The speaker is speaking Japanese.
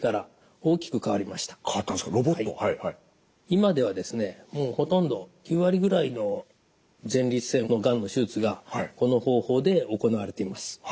今ではですねもうほとんど９割ぐらいの前立腺のがんの手術がこの方法で行われています。